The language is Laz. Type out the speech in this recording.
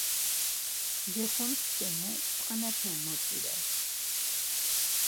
Gexunu şeni ntsxenepe motzires.